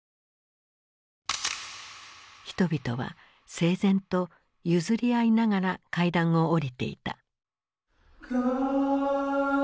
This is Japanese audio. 人々は整然と譲り合いながら階段を下りていた。